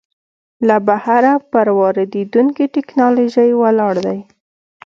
له بهره پر واردېدونکې ټکنالوژۍ ولاړ دی.